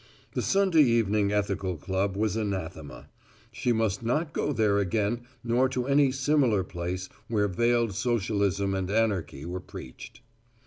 The Sunday Evening Ethical Club was anathema. She must not go there again nor to any similar place where veiled socialism and anarchy were preached.